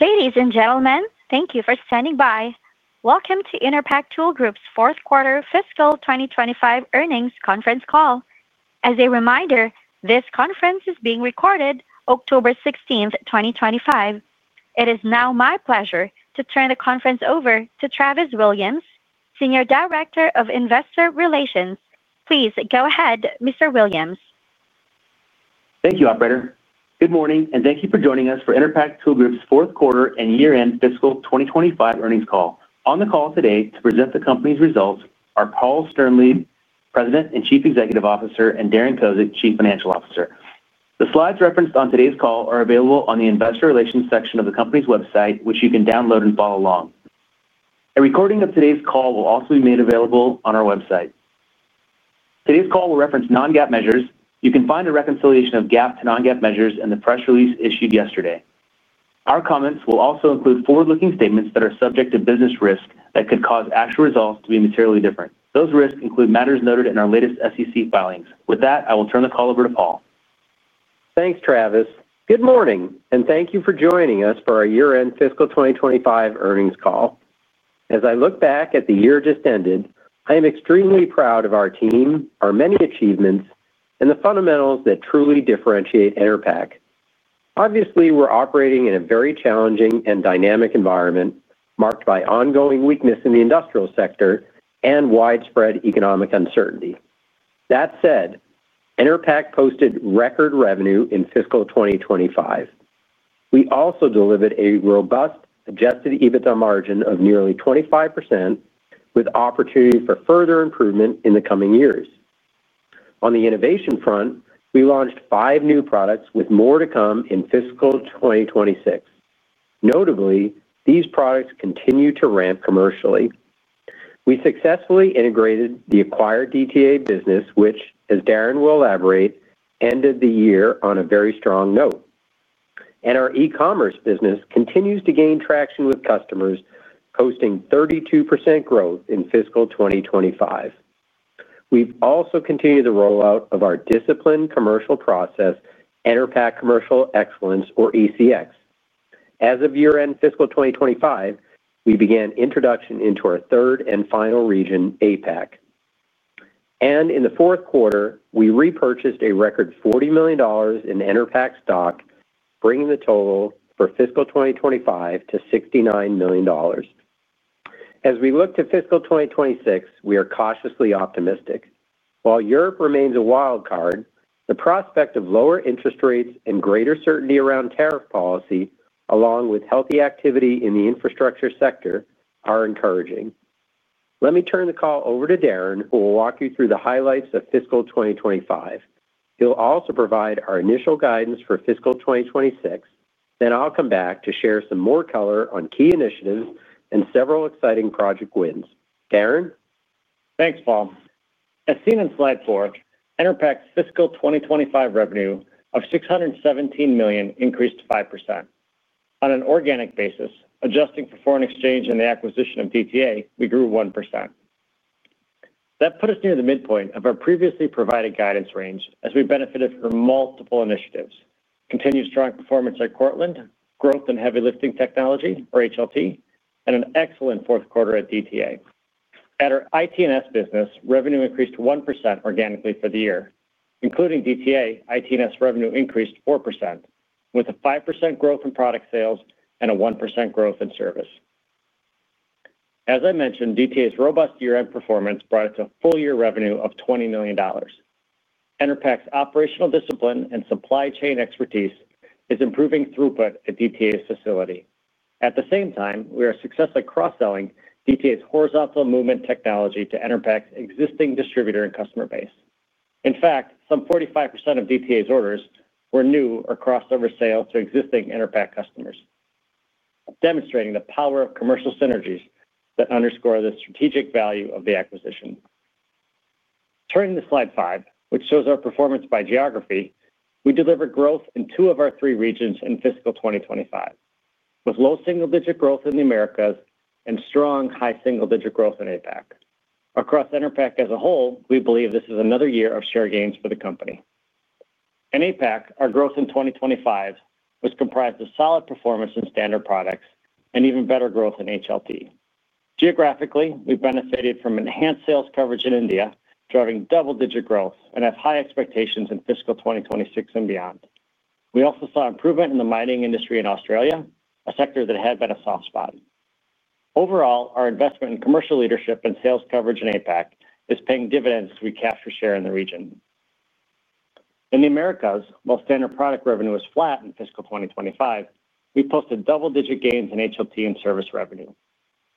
Ladies and gentlemen, thank you for standing by. Welcome to Enerpac Tool Group's fourth quarter fiscal 2025 earnings conference call. As a reminder, this conference is being recorded October 16th, 2025. It is now my pleasure to turn the conference over to Travis Williams, Senior Director of Investor Relations. Please go ahead, Mr. Williams. Thank you, Operator. Good morning, and thank you for joining us for Enerpac Tool Group's fourth quarter and year-end fiscal 2025 earnings call. On the call today to present the company's results are Paul Sternlieb, President and Chief Executive Officer, and Darren Kozik, Chief Financial Officer. The slides referenced on today's call are available on the Investor Relations section of the company's website, which you can download and follow along. A recording of today's call will also be made available on our website. Today's call will reference non-GAAP measures. You can find a reconciliation of GAAP to non-GAAP measures in the press release issued yesterday. Our comments will also include forward-looking statements that are subject to business risk that could cause actual results to be materially different. Those risks include matters noted in our latest SEC filings. With that, I will turn the call over to Paul. Thanks, Travis. Good morning, and thank you for joining us for our year-end fiscal 2025 earnings call. As I look back at the year just ended, I am extremely proud of our team, our many achievements, and the fundamentals that truly differentiate Enerpac. Obviously, we're operating in a very challenging and dynamic environment marked by ongoing weakness in the industrial sector and widespread economic uncertainty. That said, Enerpac posted record revenue in fiscal 2025. We also delivered a robust adjusted EBITDA margin of nearly 25%, with opportunity for further improvement in the coming years. On the innovation front, we launched five new products with more to come in fiscal 2026. Notably, these products continue to ramp commercially. We successfully integrated the acquired DTA business, which, as Darren will elaborate, ended the year on a very strong note. Our e-commerce business continues to gain traction with customers, posting 32% growth in fiscal 2025. We've also continued the rollout of our disciplined commercial process, Enerpac Commercial Excellence or ECX. program. As of year-end fiscal 2025, we began introduction into our third and final region, APAC. In the fourth quarter, we repurchased a record $40 million in Enerpac stock, bringing the total for fiscal 2025 to $69 million. As we look to fiscal 2026, we are cautiously optimistic. While Europe remains a wild card, the prospect of lower interest rates and greater certainty around tariff policy, along with healthy activity in the infrastructure sector, are encouraging. Let me turn the call over to Darren, who will walk you through the highlights of fiscal 2025. He'll also provide our initial guidance for fiscal 2026. I'll come back to share some more color on key initiatives and several exciting project wins. Darren? Thanks, Paul. As seen in slide four, Enerpac Tool Group's fiscal 2025 revenue of $617 million increased 5%. On an organic basis, adjusting for foreign exchange and the acquisition of DTA, we grew 1%. That put us near the midpoint of our previously provided guidance range as we benefited from multiple initiatives, continued strong performance at Cortland, growth in heavy lifting technology, or HLT, and an excellent fourth quarter at DTA. At our IT&S business, revenue increased 1% organically for the year. Including DTA, IT&S revenue increased 4%, with a 5% growth in product sales and a 1% growth in service. As I mentioned, DTA's robust year-end performance brought it to a full-year revenue of $20 million. Enerpac's operational discipline and supply chain expertise is improving throughput at DTA's facility. At the same time, we are successfully cross-selling DTA's horizontal movement technology to Enerpac's existing distributor and customer base. In fact, some 45% of DTA's orders were new or crossover sales to existing Enerpac customers, demonstrating the power of commercial synergies that underscore the strategic value of the acquisition. Turning to slide five, which shows our performance by geography, we delivered growth in two of our three regions in fiscal 2025, with low single-digit growth in the Americas and strong high single-digit growth in APAC. Across Enerpac as a whole, we believe this is another year of share gains for the company. In APAC, our growth in 2025 was comprised of solid performance in standard products and even better growth in HLT. Geographically, we benefited from enhanced sales coverage in India, driving double-digit growth, and have high expectations in fiscal 2026 and beyond. We also saw improvement in the mining industry in Australia, a sector that had been a soft spot. Overall, our investment in commercial leadership and sales coverage in APAC is paying dividends as we capture share in the region. In the Americas, while standard product revenue was flat in fiscal 2025, we posted double-digit gains in HLT and service revenue.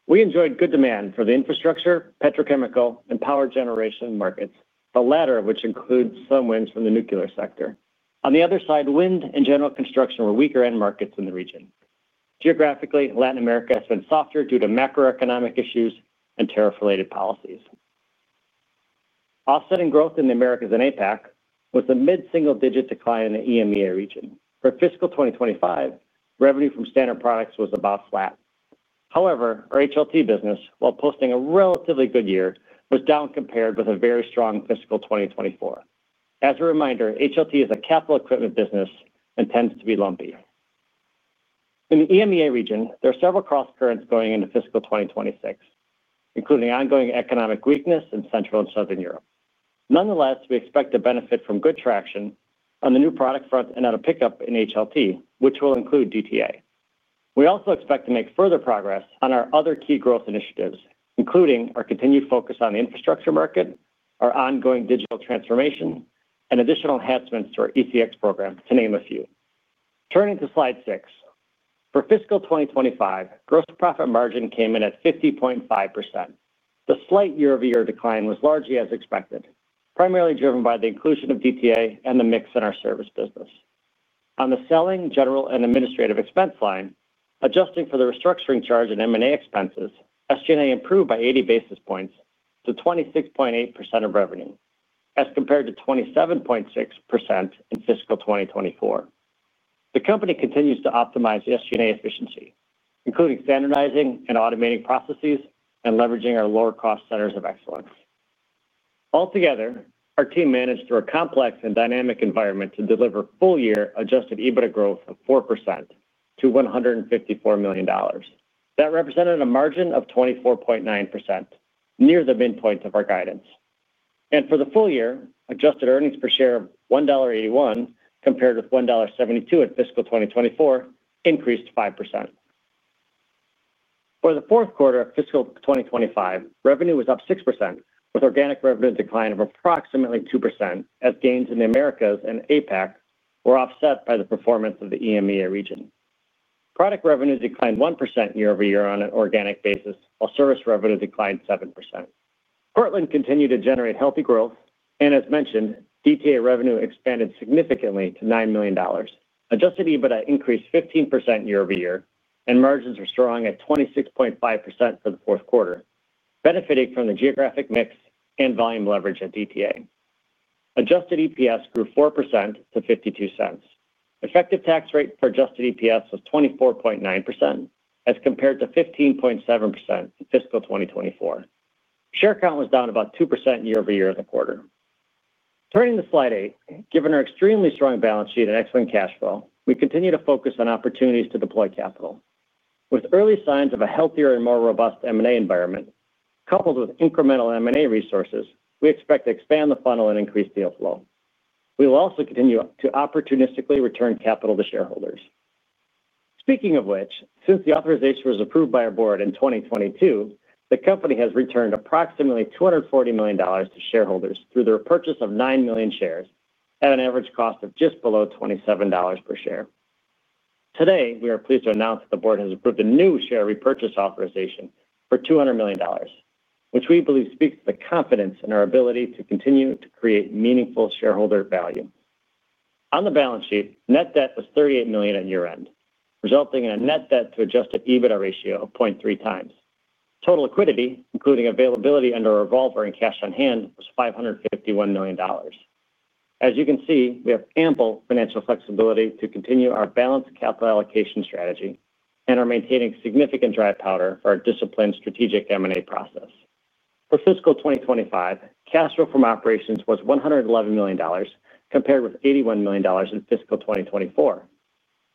We enjoyed good demand for the infrastructure, petrochemical, and power generation markets, the latter of which includes some wins from the nuclear sector. On the other side, wind and general construction were weaker end markets in the region. Geographically, Latin America has been softer due to macroeconomic issues and tariff-related policies. Offsetting growth in the Americas and APAC was a mid-single-digit decline in the EMEA region. For fiscal 2025, revenue from standard products was about flat. However, our HLT business, while posting a relatively good year, was down compared with a very strong fiscal 2024. As a reminder, HLT is a capital equipment business and tends to be lumpy. In the EMEA region, there are several cross-currents going into fiscal 2026, including ongoing economic weakness in Central and Southern Europe. Nonetheless, we expect to benefit from good traction on the new product front and a pickup in HLT, which will include DTA. We also expect to make further progress on our other key growth initiatives, including our continued focus on the infrastructure market, our ongoing digital transformation, and additional enhancements to our ECX program, to name a few. Turning to slide six, for fiscal 2025, gross profit margin came in at 50.5%. The slight year-over-year decline was largely as expected, primarily driven by the inclusion of DTA and the mix in our service business. On the selling, general and administrative expense line, adjusting for the restructuring charge and M&A expenses, SG&A improved by 80 basis points to 26.8% of revenue, as compared to 27.6% in fiscal 2024. The company continues to optimize the SG&A efficiency, including standardizing and automating processes and leveraging our lower-cost centers of excellence. Altogether, our team managed through a complex and dynamic environment to deliver full-year adjusted EBITDA growth of 4% to $154 million. That represented a margin of 24.9%, near the midpoint of our guidance. For the full year, adjusted earnings per share of $1.81 compared with $1.72 in fiscal 2024 increased 5%. For the fourth quarter of fiscal 2025, revenue was up 6%, with organic revenue decline of approximately 2%, as gains in the Americas and APAC were offset by the performance of the EMEA region. Product revenue declined 1% year-over-year on an organic basis, while service revenue declined 7%. Cortland continued to generate healthy growth, and as mentioned, DTA revenue expanded significantly to $9 million. Adjusted EBITDA increased 15% year-over-year, and margins were strong at 26.5% for the fourth quarter, benefiting from the geographic mix and volume leverage at DTA. Adjusted EPS grew 4% to $0.52. Effective tax rate for adjusted EPS was 24.9%, as compared to 15.7% in fiscal 2024. Share count was down about 2% year-over-year in the quarter. Turning to slide eight, given our extremely strong balance sheet and excellent cash flow, we continue to focus on opportunities to deploy capital. With early signs of a healthier and more robust M&A environment, coupled with incremental M&A resources, we expect to expand the funnel and increase deal flow. We will also continue to opportunistically return capital to shareholders. Speaking of which, since the authorization was approved by our board in 2022, the company has returned approximately $240 million to shareholders through the purchase of 9 million shares at an average cost of just below $27 per share. Today, we are pleased to announce that the board has approved a new share repurchase authorization for $200 million, which we believe speaks to the confidence in our ability to continue to create meaningful shareholder value. On the balance sheet, net debt was $38 million at year-end, resulting in a net debt-to-adjusted EBITDA ratio of 0.3x. Total liquidity, including availability under a revolver and cash on hand, was $551 million. As you can see, we have ample financial flexibility to continue our balanced capital allocation strategy and are maintaining significant dry powder for our disciplined strategic M&A process. For fiscal 2025, cash flow from operations was $111 million, compared with $81 million in fiscal 2024.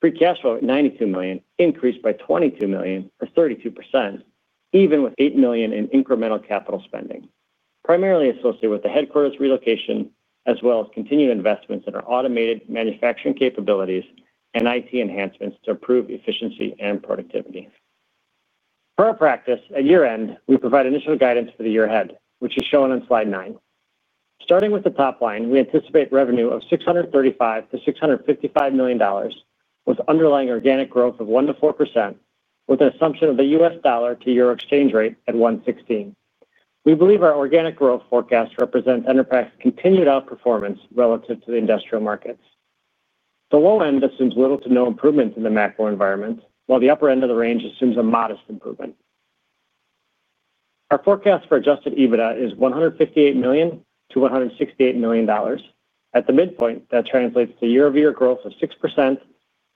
Free cash flow at $92 million increased by $22 million, or 32%, even with $8 million in incremental capital spending, primarily associated with the headquarters relocation, as well as continued investments in our automated manufacturing capabilities and IT enhancements to improve efficiency and productivity. For our practice, at year-end, we provide initial guidance for the year ahead, which is shown on slide nine. Starting with the top line, we anticipate revenue of $635 million-$655 million, with underlying organic growth of 1%-4%, with an assumption of the U.S. dollar to euro exchange rate at 1.16. We believe our organic growth forecast represents Enerpac's continued outperformance relative to the industrial markets. The low end assumes little to no improvements in the macro environment, while the upper end of the range assumes a modest improvement. Our forecast for adjusted EBITDA is $158 million-$168 million. At the midpoint, that translates to year-over-year growth of 6%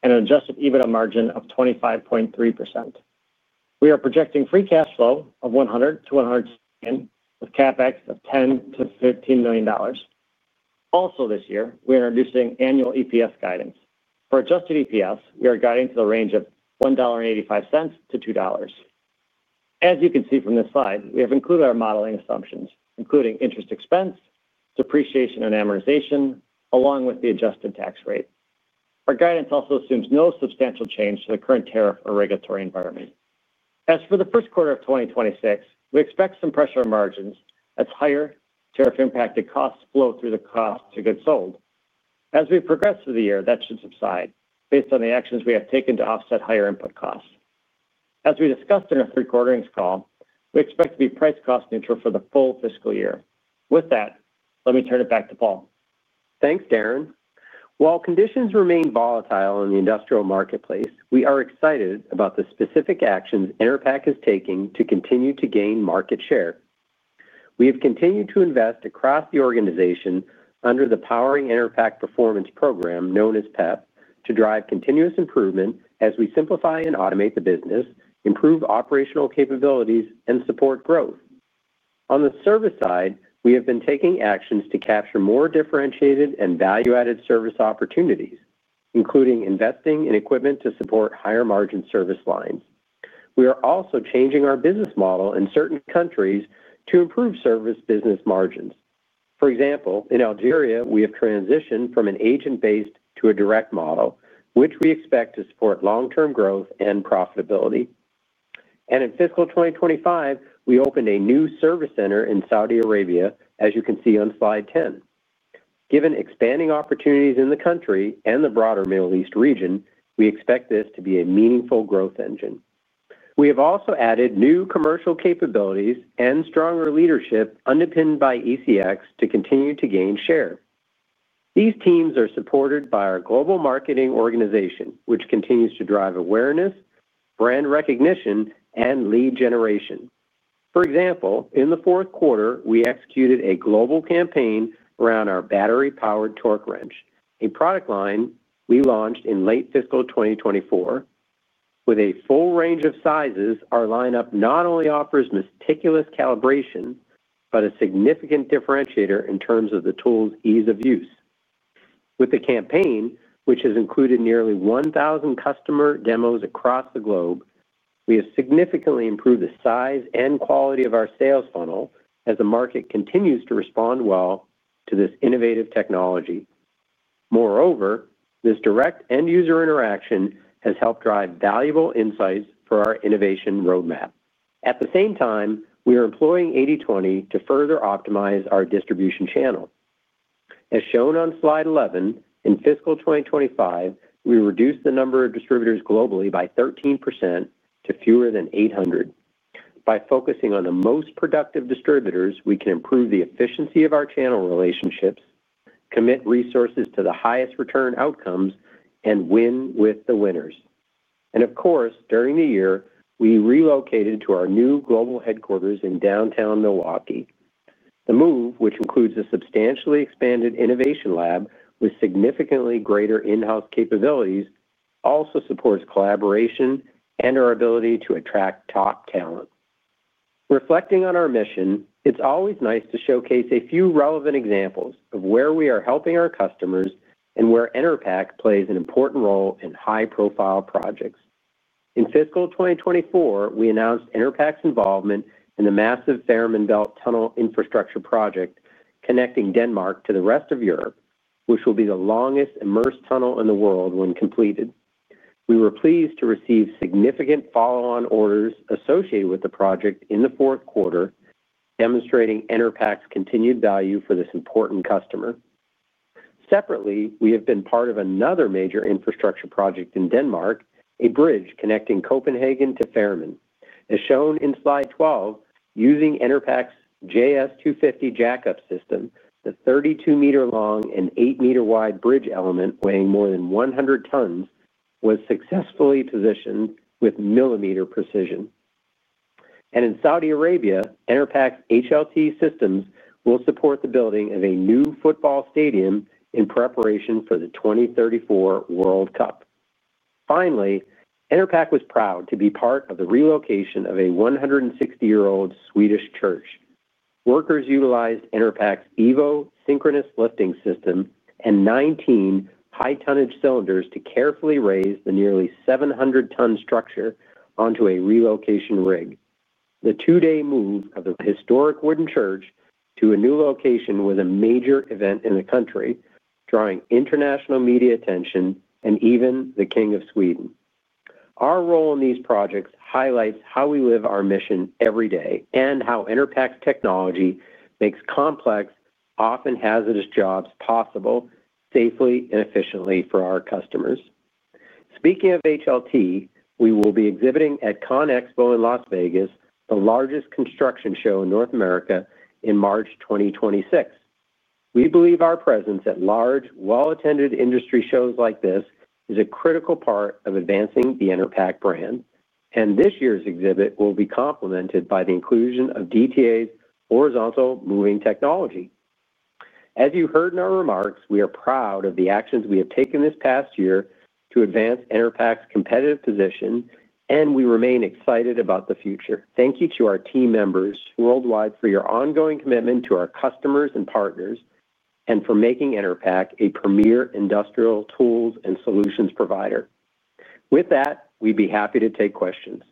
and an adjusted EBITDA margin of 25.3%. We are projecting free cash flow of $100 million-$160 million, with CapEx of $10 million-$15 million. Also this year, we are introducing annual EPS guidance. For adjusted EPS, we are guiding to the range of $1.85-$2. As you can see from this slide, we have included our modeling assumptions, including interest expense, depreciation, and amortization, along with the adjusted tax rate. Our guidance also assumes no substantial change to the current tariff or regulatory environment. As for the first quarter of 2026, we expect some pressure on margins as higher tariff-impacted costs flow through the cost of goods sold. As we progress through the year, that should subside based on the actions we have taken to offset higher input costs. As we discussed in our three-quarter earnings call, we expect to be price-cost neutral for the full fiscal year. With that, let me turn it back to Paul. Thanks, Darren. While conditions remain volatile in the industrial marketplace, we are excited about the specific actions Enerpac is taking to continue to gain market share. We have continued to invest across the organization under the Powering Enerpac Performance (PEP) initiatives to drive continuous improvement as we simplify and automate the business, improve operational capabilities, and support growth. On the service side, we have been taking actions to capture more differentiated and value-added service opportunities, including investing in equipment to support higher margin service lines. We are also changing our business model in certain countries to improve service business margins. For example, in Algeria, we have transitioned from an agent-based to a direct model, which we expect to support long-term growth and profitability. In fiscal 2025, we opened a new service center in Saudi Arabia, as you can see on slide 10. Given expanding opportunities in the country and the broader Middle East region, we expect this to be a meaningful growth engine. We have also added new commercial capabilities and stronger leadership underpinned by the ECX to continue to gain share. These teams are supported by our global marketing organization, which continues to drive awareness, brand recognition, and lead generation. For example, in the fourth quarter, we executed a global campaign around our battery-powered torque wrench, a product line we launched in late fiscal 2024. With a full range of sizes, our lineup not only offers meticulous calibration, but a significant differentiator in terms of the tool's ease of use. With the campaign, which has included nearly 1,000 customer demos across the globe, we have significantly improved the size and quality of our sales funnel as the market continues to respond well to this innovative technology. Moreover, this direct end-user interaction has helped drive valuable insights for our innovation roadmap. At the same time, we are employing 80/20 to further optimize our distribution channel. As shown on slide 11, in fiscal 2025, we reduced the number of distributors globally by 13% to fewer than 800. By focusing on the most productive distributors, we can improve the efficiency of our channel relationships, commit resources to the highest return outcomes, and win with the winners. During the year, we relocated to our new global headquarters in downtown Milwaukee. The move, which includes a substantially expanded innovation lab with significantly greater in-house capabilities, also supports collaboration and our ability to attract top talent. Reflecting on our mission, it's always nice to showcase a few relevant examples of where we are helping our customers and where Enerpac plays an important role in high-profile projects. In fiscal 2024, we announced Enerpac's involvement in the massive Fehmarn Belt Tunnel infrastructure project, connecting Denmark to the rest of Europe, which will be the longest immersed tunnel in the world when completed. We were pleased to receive significant follow-on orders associated with the project in the fourth quarter, demonstrating Enerpac's continued value for this important customer. Separately, we have been part of another major infrastructure project in Denmark, a bridge connecting Copenhagen to Fehmarn. As shown in slide 12, using Enerpac's JS250 jack-up system, the 32 m long and 8 m wide bridge element weighing more than 100 tons was successfully positioned with millimeter precision. In Saudi Arabia, Enerpac's HLT systems will support the building of a new football stadium in preparation for the 2034 World Cup. Finally, Enerpac was proud to be part of the relocation of a 160-year-old Swedish church. Workers utilized Enerpac's EVO synchronous lifting system and 19 high tonnage cylinders to carefully raise the nearly 700-ton structure onto a relocation rig. The two-day move of the historic wooden church to a new location was a major event in the country, drawing international media attention and even the King of Sweden. Our role in these projects highlights how we live our mission every day and how Enerpac's technology makes complex, often hazardous jobs possible safely and efficiently for our customers. Speaking of HLT, we will be exhibiting at ConExpo in Las Vegas, the largest construction show in North America, in March 2026. We believe our presence at large, well-attended industry shows like this is a critical part of advancing the Enerpac brand. This year's exhibit will be complemented by the inclusion of DTA's horizontal movement technology. As you heard in our remarks, we are proud of the actions we have taken this past year to advance Enerpac's competitive position, and we remain excited about the future. Thank you to our team members worldwide for your ongoing commitment to our customers and partners and for making Enerpac a premier industrial tools and solutions provider. With that, we'd be happy to take questions.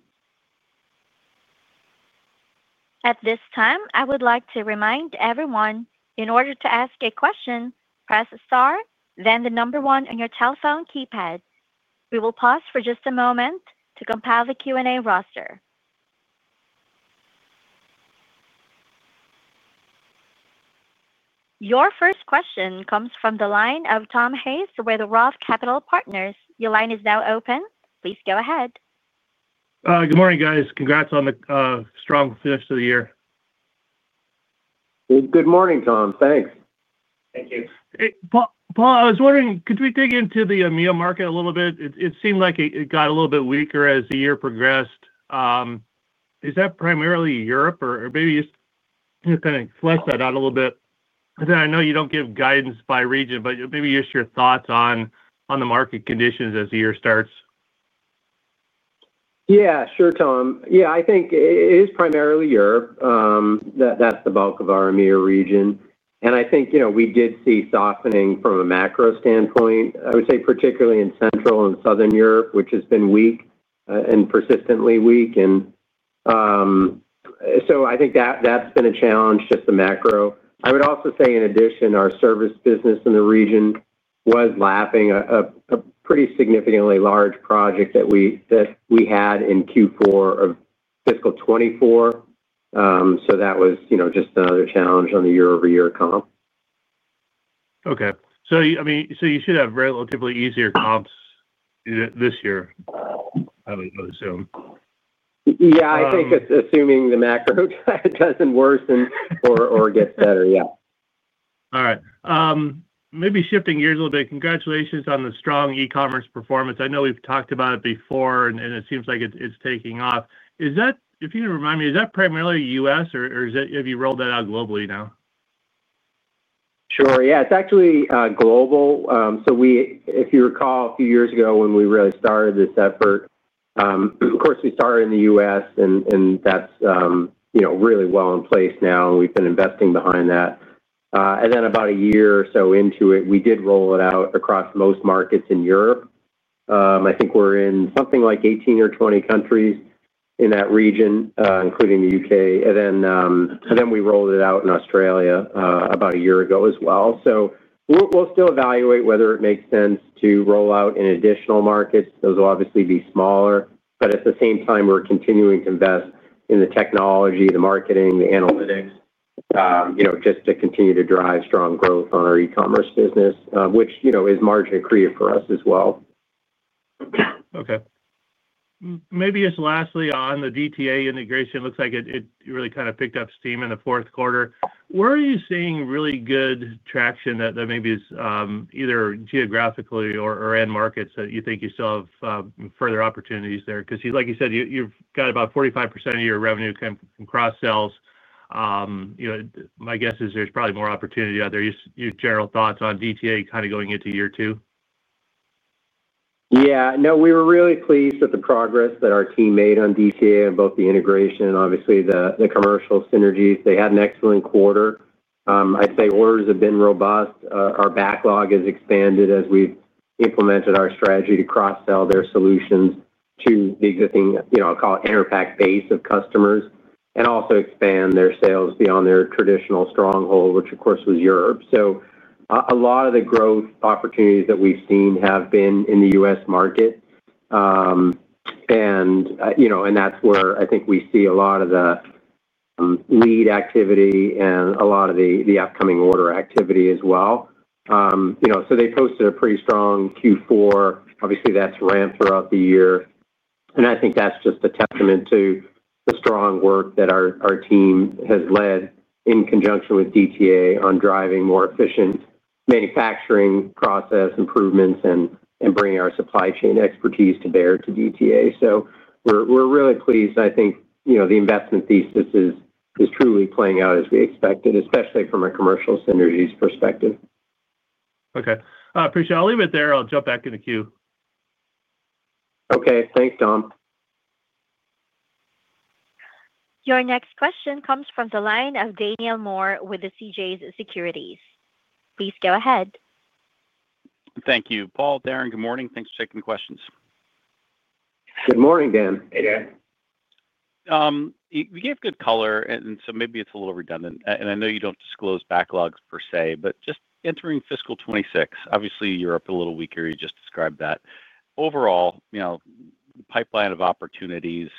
At this time, I would like to remind everyone, in order to ask a question, press star then the number one on your telephone keypad. We will pause for just a moment to compile the Q&A roster. Your first question comes from the line of Tom Hayes with Roth Capital Partners. Your line is now open. Please go ahead. Good morning, guys. Congrats on the strong finish to the year. Good morning, Tom. Thanks. Thank you. Paul, I was wondering, could we dig into the EMEA market a little bit? It seemed like it got a little bit weaker as the year progressed. Is that primarily Europe, or maybe just kind of flesh that out a little bit? I know you don't give guidance by region, but maybe just your thoughts on the market conditions as the year starts. Yeah, sure, Tom. I think it is primarily Europe. That's the bulk of our EMEA region. I think we did see softening from a macro standpoint. I would say particularly in Central Europe and Southern Europe, which has been weak and persistently weak. I think that's been a challenge, just the macro. I would also say, in addition, our service business in the region was lapping a pretty significantly large project that we had in Q4 of fiscal 2024. That was just another challenge on the year-over-year comp. Okay, you should have relatively easier comps this year, I would assume. I think assuming the macro doesn't worsen or gets better, yeah. All right. Maybe shifting gears a little bit, congratulations on the strong e-commerce performance. I know we've talked about it before, and it seems like it's taking off. If you can remind me, is that primarily U.S., or have you rolled that out globally now? Sure. Yeah, it's actually global. If you recall a few years ago when we really started this effort, of course, we started in the U.S., and that's really well in place now, and we've been investing behind that. About a year or so into it, we did roll it out across most markets in Europe. I think we're in something like 18 or 20 countries in that region, including the U.K. We rolled it out in Australia about a year ago as well. We'll still evaluate whether it makes sense to roll out in additional markets. Those will obviously be smaller. At the same time, we're continuing to invest in the technology, the marketing, the analytics, just to continue to drive strong growth on our e-commerce business, which is marginally accretive for us as well. Okay. Maybe just lastly on the DTA integration, it looks like it really kind of picked up steam in the fourth quarter. Where are you seeing really good traction that maybe is either geographically or in markets that you think you still have further opportunities there? Because, like you said, you've got about 45% of your revenue come from cross-sells. My guess is there's probably more opportunity out there. Just your general thoughts on DTA kind of going into year two? Yeah. No, we were really pleased with the progress that our team made on DTA and both the integration and obviously the commercial synergies. They had an excellent quarter. I'd say orders have been robust. Our backlog has expanded as we've implemented our strategy to cross-sell their solutions to the existing, you know, I'll call it Enerpac base of customers and also expand their sales beyond their traditional stronghold, which of course was Europe. A lot of the growth opportunities that we've seen have been in the U.S. market. That's where I think we see a lot of the lead activity and a lot of the upcoming order activity as well. They posted a pretty strong Q4. Obviously, that's ramped throughout the year. I think that's just a testament to the strong work that our team has led in conjunction with DTA on driving more efficient manufacturing process improvements and bringing our supply chain expertise to bear to DTA. We're really pleased. I think the investment thesis is truly playing out as we expected, especially from a commercial synergies perspective. Okay. Appreciate it. I'll leave it there. I'll jump back in the queue. Okay, thanks, Tom. Your next question comes from the line of Daniel Moore with CJS Securities. Please go ahead. Thank you, Paul. Darren, good morning. Thanks for taking the questions. Good morning, Dan. Hey, Dan. You gave good color, so maybe it's a little redundant. I know you don't disclose backlogs per se, but just entering fiscal 2026, obviously Europe a little weaker. You just described that. Overall, you know, the pipeline of opportunities,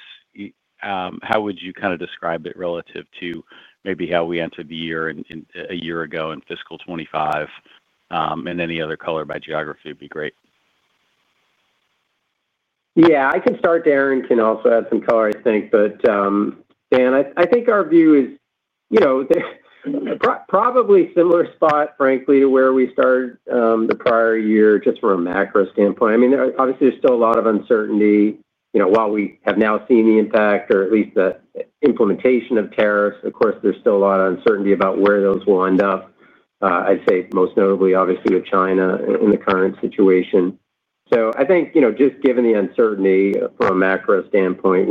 how would you kind of describe it relative to maybe how we entered the year a year ago in fiscal 2025? Any other color by geography would be great. Yeah, I can start. Darren can also add some color, I think. Dan, I think our view is probably a similar spot, frankly, to where we started the prior year, just from a macro standpoint. Obviously, there's still a lot of uncertainty, while we have now seen the impact, or at least the implementation of tariffs. Of course, there's still a lot of uncertainty about where those will end up. I'd say most notably, obviously, with China in the current situation. I think, just given the uncertainty from a macro standpoint,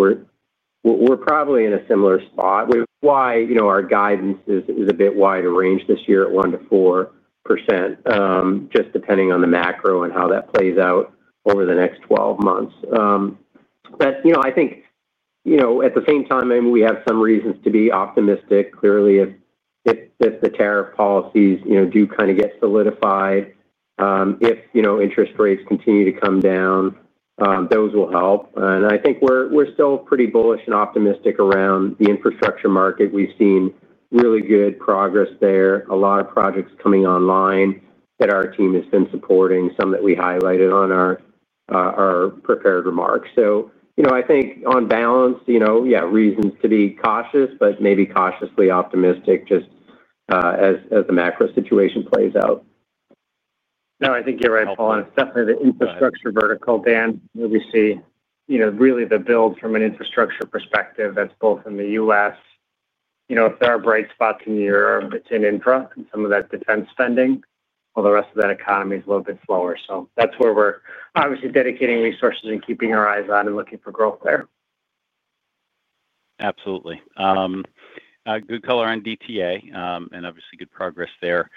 we're probably in a similar spot. That's why our guidance is a bit wider range this year at 1%-4%, just depending on the macro and how that plays out over the next 12 months. I think, at the same time, we have some reasons to be optimistic. Clearly, if the tariff policies do kind of get solidified, if interest rates continue to come down, those will help. I think we're still pretty bullish and optimistic around the infrastructure market. We've seen really good progress there. A lot of projects coming online that our team has been supporting, some that we highlighted on our prepared remarks. I think on balance, there are reasons to be cautious, but maybe cautiously optimistic just as the macro situation plays out. No, I think you're right, Paul. It's definitely the infrastructure vertical, Dan. We see really the build from an infrastructure perspective that's both in the U.S. If there are bright spots in Europe, it's in infra and some of that defense spending, while the rest of that economy is a little bit slower. That's where we're obviously dedicating resources and keeping our eyes on and looking for growth there. Absolutely. Good color on DTA and obviously good progress there.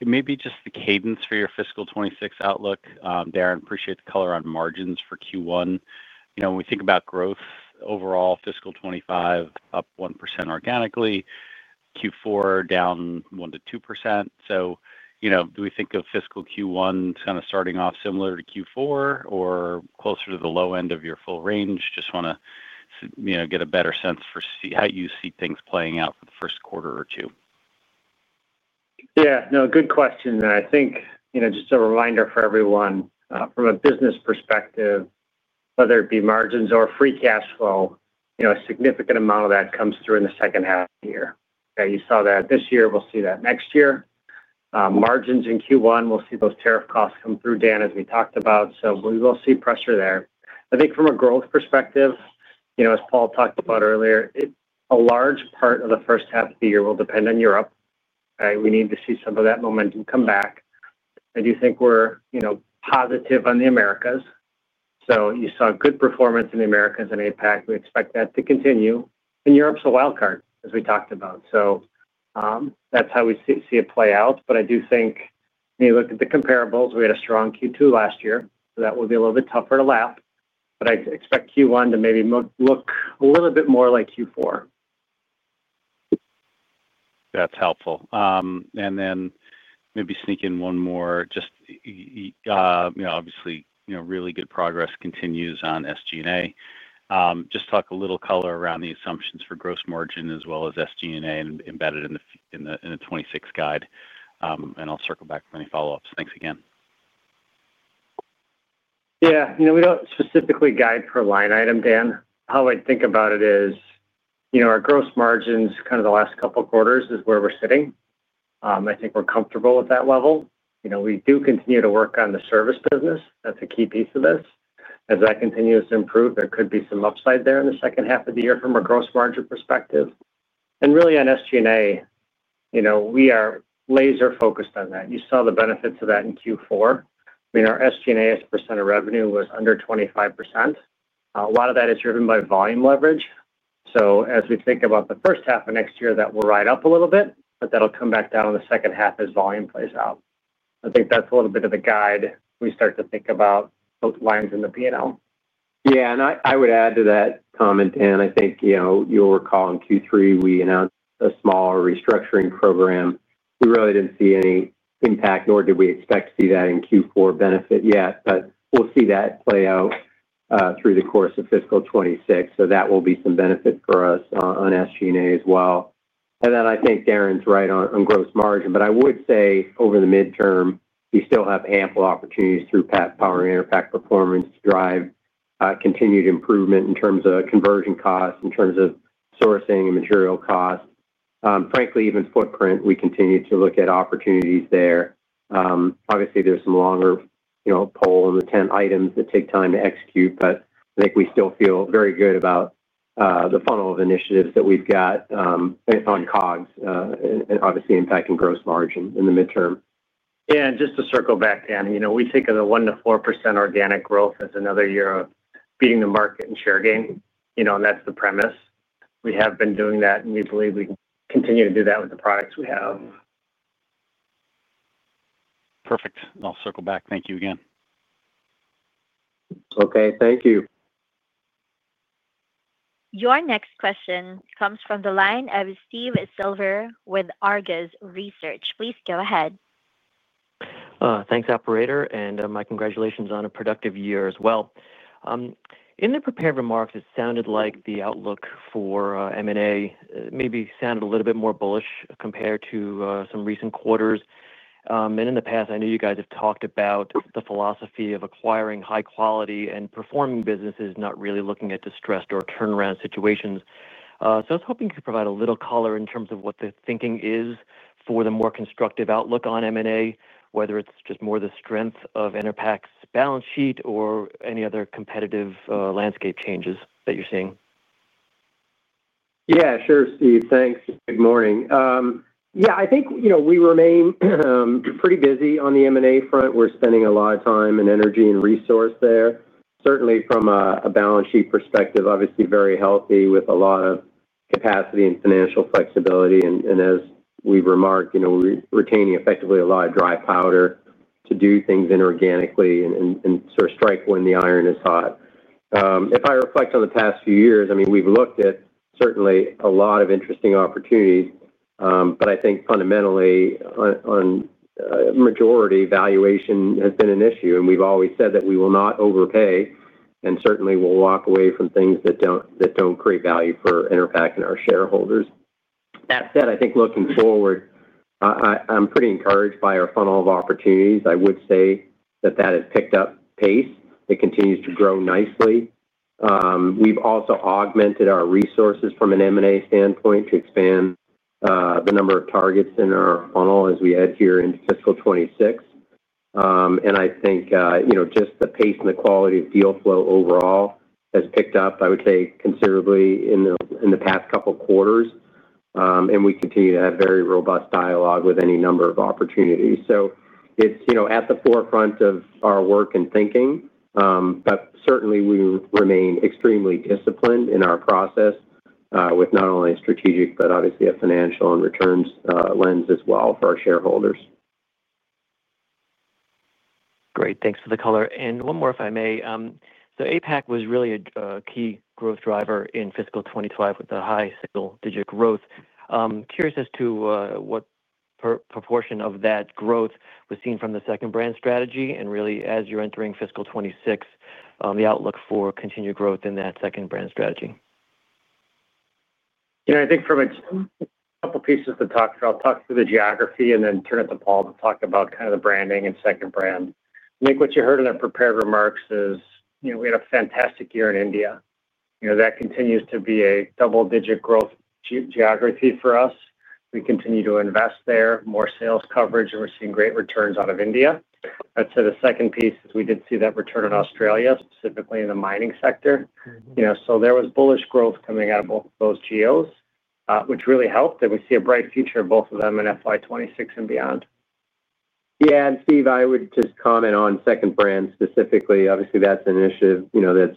Maybe just the cadence for your fiscal 2026 outlook. Darren, appreciate the color on margins for Q1. When we think about growth overall, fiscal 2025 up 1% organically, Q4 down 1%-2%. Do we think of fiscal Q1 kind of starting off similar to Q4 or closer to the low end of your full range? Just want to get a better sense for how you see things playing out for the first quarter or two. Yeah, no, good question. I think, just a reminder for everyone, from a business perspective, whether it be margins or free cash flow, a significant amount of that comes through in the second half of the year. You saw that this year. We'll see that next year. Margins in Q1, we'll see those tariff costs come through, Dan, as we talked about. We will see pressure there. I think from a growth perspective, as Paul talked about earlier, a large part of the first half of the year will depend on Europe. We need to see some of that momentum come back. I do think we're positive on the Americas. You saw good performance in the Americas and APAC. We expect that to continue. Europe's a wild card, as we talked about. That's how we see it play out. I do think, when you look at the comparables, we had a strong Q2 last year. That will be a little bit tougher to lap. I expect Q1 to maybe look a little bit more like Q4. That's helpful. Maybe sneak in one more, just, you know, obviously, you know, really good progress continues on SG&A. Just talk a little color around the assumptions for gross margin as well as SG&A embedded in the in the 2026 guide. I'll circle back with any follow-ups. Thanks again. Yeah, you know, we don't specifically guide per line item, Dan. How I think about it is, you know, our gross margins kind of the last couple of quarters is where we're sitting. I think we're comfortable with that level. You know, we do continue to work on the service business. That's a key piece of this. As that continues to improve, there could be some upside there in the second half of the year from a gross margin perspective. Really, on SG&A, you know, we are laser-focused on that. You saw the benefits of that in Q4. I mean, our SG&A as a percent of revenue was under 25%. A lot of that is driven by volume leverage. As we think about the first half of next year, that will ride up a little bit, but that'll come back down in the second half as volume plays out. I think that's a little bit of the guide we start to think about both lines in the P&L. Yeah, and I would add to that comment, Dan. I think, you know, you'll recall in Q3, we announced a smaller restructuring program. We really didn't see any impact, nor did we expect to see that in Q4 benefit yet. We'll see that play out through the course of fiscal 2026. That will be some benefit for us on SG&A as well. I think Darren's right on gross margin. I would say over the midterm, we still have ample opportunities through Powering Enerpac Performance to drive continued improvement in terms of conversion costs, in terms of sourcing and material cost. Frankly, even footprint, we continue to look at opportunities there. Obviously, there's some longer, you know, poll and intent items that take time to execute. I think we still feel very good about the funnel of initiatives that we've got on COGS, and obviously impacting gross margin in the midterm. Yeah, just to circle back, Dan, we think of the 1%-4% organic growth as another year of beating the market and share gain. That's the premise. We have been doing that, and we believe we can continue to do that with the products we have. Perfect. I'll circle back. Thank you again. Okay, thank you. Your next question comes from the line of Steve Silver with Argus Research. Please go ahead. Thanks, Operator. My congratulations on a productive year as well. In the prepared remarks, it sounded like the outlook for M&A maybe sounded a little bit more bullish compared to some recent quarters. In the past, I know you guys have talked about the philosophy of acquiring high-quality and performing businesses, not really looking at distressed or turnaround situations. I was hoping you could provide a little color in terms of what the thinking is for the more constructive outlook on M&A, whether it's just more the strength of Enerpac Tool Group's balance sheet or any other competitive landscape changes that you're seeing. Yeah, sure, Steve. Thanks. Good morning. I think, you know, we remain pretty busy on the M&A front. We're spending a lot of time and energy and resource there. Certainly, from a balance sheet perspective, obviously very healthy with a lot of capacity and financial flexibility. As we remarked, you know, we're retaining effectively a lot of dry powder to do things inorganically and sort of strike when the iron is hot. If I reflect on the past few years, I mean, we've looked at certainly a lot of interesting opportunities. I think fundamentally, on a majority, valuation has been an issue. We've always said that we will not overpay and certainly will walk away from things that don't create value for Enerpac and our shareholders. That said, I think looking forward, I'm pretty encouraged by our funnel of opportunities. I would say that that has picked up pace. It continues to grow nicely. We've also augmented our resources from an M&A standpoint to expand the number of targets in our funnel as we head here into fiscal 2026. I think, you know, just the pace and the quality of deal flow overall has picked up, I would say, considerably in the past couple of quarters. We continue to have very robust dialogue with any number of opportunities. It's, you know, at the forefront of our work and thinking. We remain extremely disciplined in our process with not only a strategic, but obviously a financial and returns lens as well for our shareholders. Great. Thanks for the color. One more, if I may. APAC was really a key growth driver in fiscal 2025 with a high single-digit growth. I'm curious as to what proportion of that growth was seen from the second brand strategy, and really, as you're entering fiscal 2026, the outlook for continued growth in that second brand strategy. Yeah, I think from a couple of pieces to talk through, I'll talk through the geography and then turn it to Paul to talk about kind of the branding and second brand. I think what you heard in the prepared remarks is, you know, we had a fantastic year in India. You know, that continues to be a double-digit growth geography for us. We continue to invest there, more sales coverage, and we're seeing great returns out of India. I'd say the second piece is we did see that return in Australia, specifically in the mining sector. There was bullish growth coming out of both of those geos, which really helped. We see a bright future of both of them in FY 2026 and beyond. Yeah, and Steve, I would just comment on second brand specifically. Obviously, that's an initiative that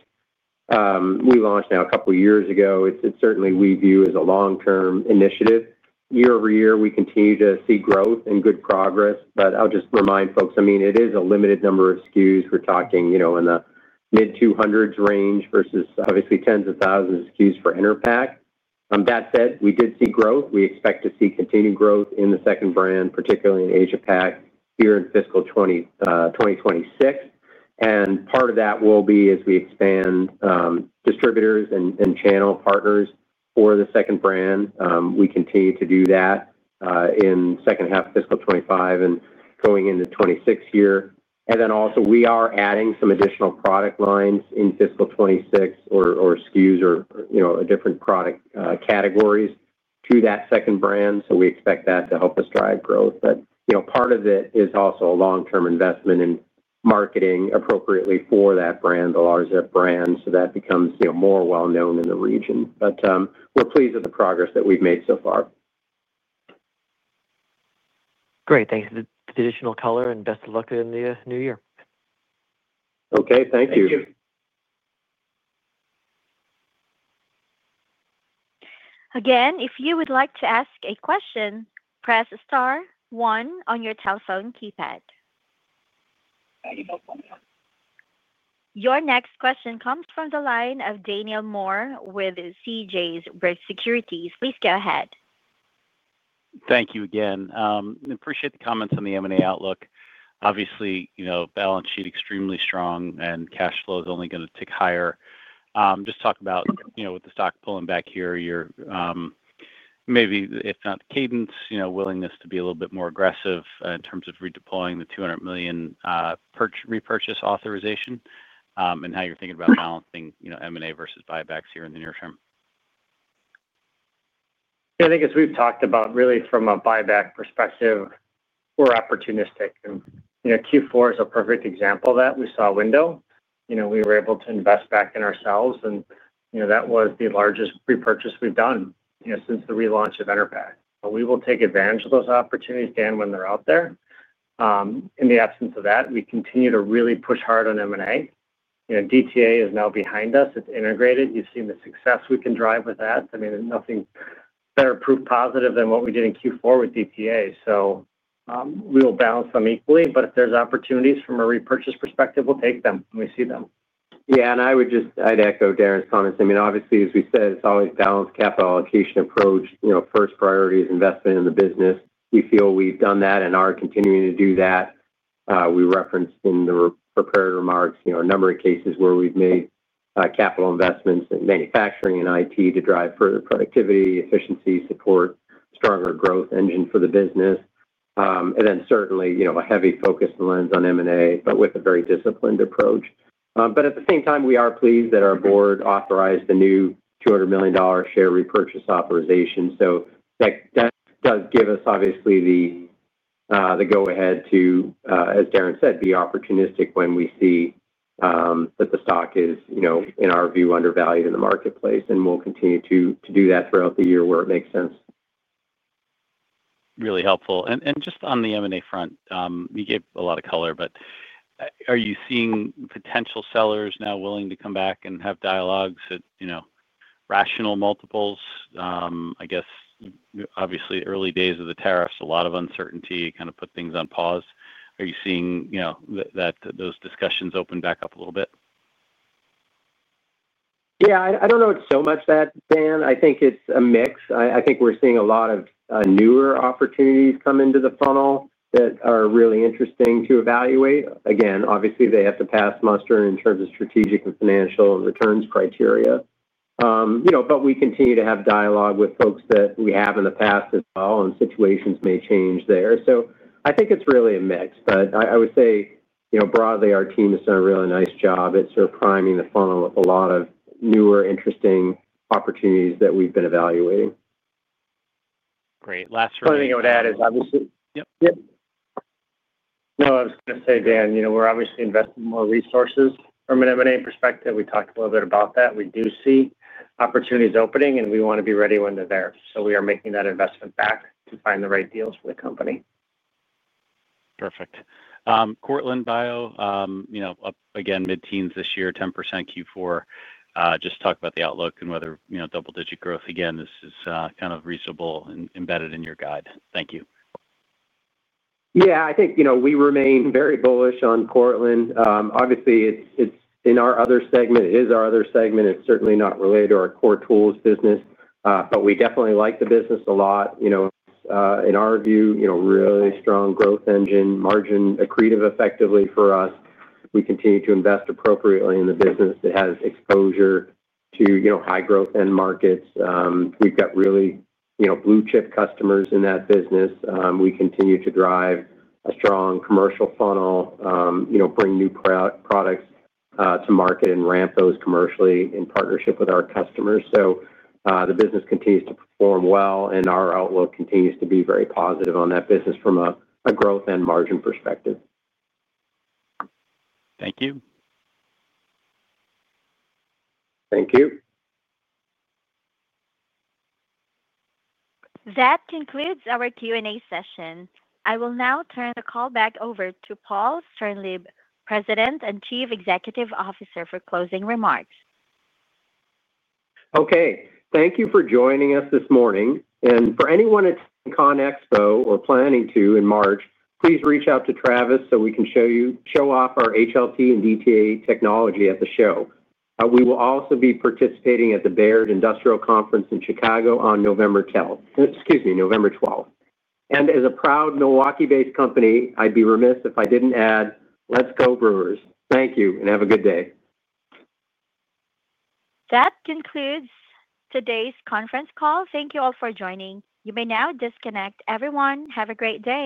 we launched now a couple of years ago. It's certainly we view as a long-term initiative. Year over year, we continue to see growth and good progress. I'll just remind folks, it is a limited number of SKUs. We're talking in the mid-200s range versus obviously tens of thousands of SKUs for Enerpac. That said, we did see growth. We expect to see continued growth in the second brand, particularly in APAC, here in fiscal 2026. Part of that will be as we expand distributors and channel partners for the second brand. We continue to do that in the second half of fiscal 2025 and going into the 2026 year. We are adding some additional product lines in fiscal 2026 or SKUs or different product categories to that second brand. We expect that to help us drive growth. Part of it is also a long-term investment in marketing appropriately for that brand, the Larzep brand, so that becomes more well-known in the region. We're pleased with the progress that we've made so far. Great. Thanks for the additional color and best of luck in the new year. Okay, thank you. Thank you. Again, if you would like to ask a question, press star, one on your telephone keypad. Your next question comes from the line of Daniel Moore with CJS Securities. Please go ahead. Thank you again. Appreciate the comments on the M&A outlook. Obviously, you know, balance sheet extremely strong and cash flow is only going to tick higher. Just talk about, you know, with the stock pulling back here, maybe, if not the cadence, you know, willingness to be a little bit more aggressive in terms of redeploying the $200 million repurchase authorization and how you're thinking about balancing, you know, M&A versus buybacks here in the near term. Yeah, I think as we've talked about, really from a buyback perspective, we're opportunistic. Q4 is a perfect example of that. We saw a window. We were able to invest back in ourselves. That was the largest repurchase we've done since the relaunch of Enerpac. We will take advantage of those opportunities, Dan, when they're out there. In the absence of that, we continue to really push hard on M&A. DTA is now behind us. It's integrated. You've seen the success we can drive with that. Nothing better proof positive than what we did in Q4 with DTA. We will balance them equally. If there's opportunities from a repurchase perspective, we'll take them when we see them. Yeah, and I would just echo Darren's comments. I mean, obviously, as we said, it's always a balanced capital allocation approach. You know, first priority is investment in the business. We feel we've done that and are continuing to do that. We referenced in the prepared remarks a number of cases where we've made capital investments in manufacturing and IT to drive further productivity, efficiency, and support a stronger growth engine for the business. There is certainly a heavy focus and lens on M&A, but with a very disciplined approach. At the same time, we are pleased that our board authorized the new $200 million share repurchase authorization. That does give us, obviously, the go-ahead to, as Darren said, be opportunistic when we see that the stock is, you know, in our view, undervalued in the marketplace. We'll continue to do that throughout the year where it makes sense. Really helpful. Just on the M&A front, you gave a lot of color. Are you seeing potential sellers now willing to come back and have dialogues at, you know, rational multiples? Obviously, early days of the tariffs, a lot of uncertainty kind of put things on pause. Are you seeing, you know, that those discussions open back up a little bit? Yeah, I don't know it's so much that, Dan. I think it's a mix. I think we're seeing a lot of newer opportunities come into the funnel that are really interesting to evaluate. Again, obviously, they have to pass muster in terms of strategic and financial and returns criteria, you know, but we continue to have dialogue with folks that we have in the past as well, and situations may change there. I think it's really a mix. I would say, you know, broadly, our team has done a really nice job at sort of priming the funnel with a lot of newer, interesting opportunities that we've been evaluating. Great. Last. The only thing I would add is, obviously. Yep. I was going to say, Dan, you know, we're obviously investing more resources from an M&A perspective. We talked a little bit about that. We do see opportunities opening, and we want to be ready when they're there. We are making that investment back to find the right deals for the company. Perfect. Cortland Bio, you know, again, mid-teens this year, 10% Q4. Just talk about the outlook and whether, you know, double-digit growth, again, is kind of reasonable and embedded in your guide. Thank you. I think we remain very bullish on Cortland. Obviously, it's in our other segment. It is our other segment. It's certainly not related to our core tools business, but we definitely like the business a lot. In our view, really strong growth engine, margin accretive effectively for us. We continue to invest appropriately in the business that has exposure to high growth end markets. We've got really blue-chip customers in that business. We continue to drive a strong commercial funnel, bring new products to market and ramp those commercially in partnership with our customers. The business continues to perform well and our outlook continues to be very positive on that business from a growth and margin perspective. Thank you. Thank you. That concludes our Q&A session. I will now turn the call back over to Paul Sternlieb, President and Chief Executive Officer, for closing remarks. Okay. Thank you for joining us this morning. For anyone attending ConExpo or planning to in March, please reach out to Travis so we can show you our HLT and DTA technology at the show. We will also be participating at the Baird Industrial Conference in Chicago on November 12th. As a proud Milwaukee-based company, I'd be remiss if I didn't add, let's go, Brewers. Thank you and have a good day. That concludes today's conference call. Thank you all for joining. You may now disconnect. Everyone, have a great day.